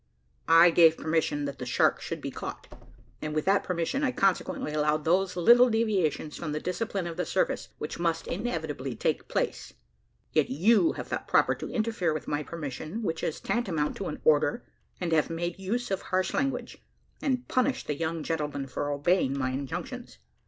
I gave permission that the shark should be caught, and with that permission, I consequently allowed those little deviations from the discipline of the service, which must inevitably take place. Yet you have thought proper to interfere with my permission, which is tantamount to an order, and have made use of harsh language, and punished the young gentlemen for obeying my injunctions.